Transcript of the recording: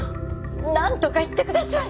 何とか言ってください！